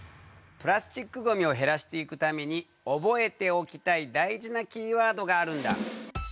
プラスチックごみを減らしていくために覚えておきたい大事なキーワードがあるんだ。